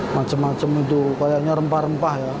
macem macem itu kayaknya rempah rempah ya